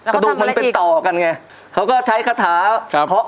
กระดูกมันเป็นต่อกันไงเค้าก็ใช้คาถาเค้าเค้าเค้า